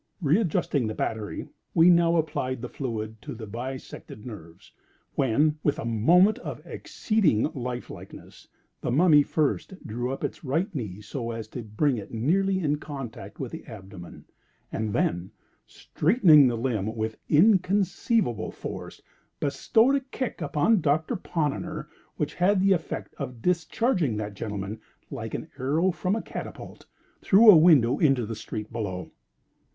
Readjusting the battery, we now applied the fluid to the bisected nerves—when, with a movement of exceeding life likeness, the Mummy first drew up its right knee so as to bring it nearly in contact with the abdomen, and then, straightening the limb with inconceivable force, bestowed a kick upon Doctor Ponnonner, which had the effect of discharging that gentleman, like an arrow from a catapult, through a window into the street below.